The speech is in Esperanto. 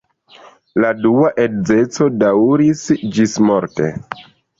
La dua edzeco daŭris ĝismorte.